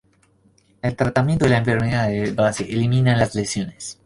El tratamiento de la enfermedad de base elimina las lesiones.